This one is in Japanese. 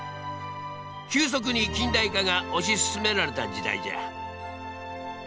急速に近代化が推し進められた時代じゃ。